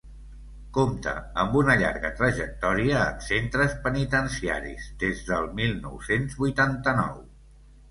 Compta amb una llarga trajectòria en centres penitenciaris des del mil nou-cents vuitanta-nou.